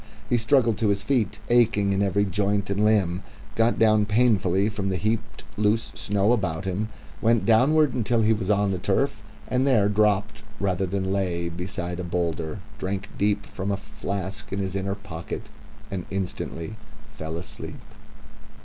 He struggled to his feet, aching in every joint and limb, got down painfully from the heaped loose snow about him, went downward until he was on the turf, and there dropped rather than lay beside a boulder, drank deep from the flask in his inner pocket, and instantly fell asleep...